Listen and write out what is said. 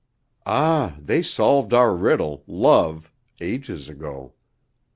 Ah, they solved our riddle, Love, ages ago.